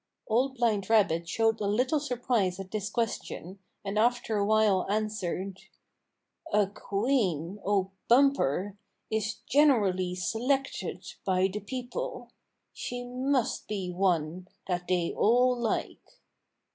Old Blind Rabbit showed a little surprise at this question, and after a while answered: "A queen, O Bumper, is generally selected by the people. She must be one that they all like."